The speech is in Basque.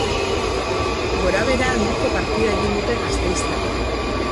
Gorabehera handiko partida egin dute gasteiztarrek.